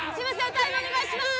タイムお願いします